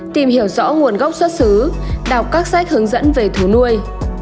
tìm hiểu rõ nguồn gốc xuất xứ đọc các sách hướng dẫn về thú nuôi